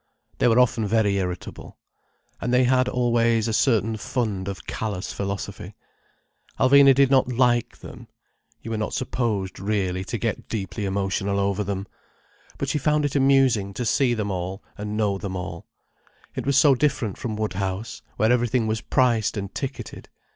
They were often very irritable. And they had always a certain fund of callous philosophy. Alvina did not like them—you were not supposed, really, to get deeply emotional over them. But she found it amusing to see them all and know them all. It was so different from Woodhouse, where everything was priced and ticketed.